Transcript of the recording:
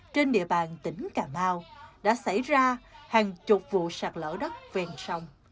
trên địa bàn tỉnh cà mau đã xảy ra hàng chục vụ sạch lỡ đất ven sông